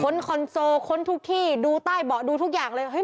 คอนโซลค้นทุกที่ดูใต้เบาะดูทุกอย่างเลย